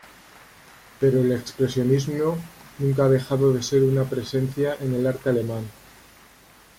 Pero el expresionismo nunca ha dejado de ser una presencia en el arte alemán.